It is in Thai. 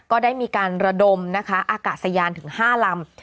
ก็ได้มีการระดมนะคะอากาศยานถึง๕ลำ